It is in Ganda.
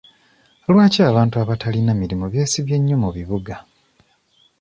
Lwaki abantu abatalina mirimu beesibye nnyo mu bibuga?